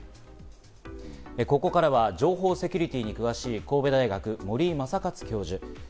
ここからは情報セキュリティに詳しい神戸大学・森井昌克教授。